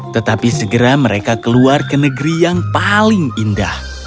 tetapi segera mereka keluar ke negeri yang paling indah